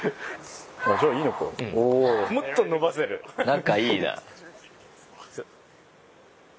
仲いいな。